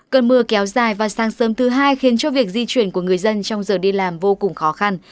cơn mưa kéo dài và sáng sớm thứ hai khiến cho việc di chuyển của người dân trong giờ đi làm vô cùng khó khăn